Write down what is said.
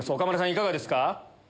いかがですか？